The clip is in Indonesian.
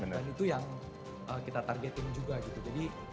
dan itu yang kita targetin juga gitu